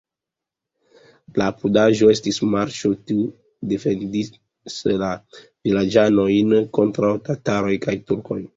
La apudaĵo estis marĉo, kiu defendis la vilaĝanojn kontraŭ tataroj kaj turkoj.